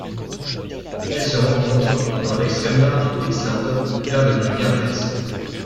Elle se rencontre dans l'Extrême nord du Queensland vers le mont Garnet.